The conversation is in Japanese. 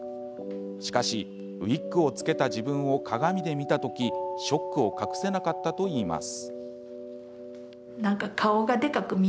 しかし、ウイッグを着けた自分を鏡で見た時ショックを隠せなかったといいます。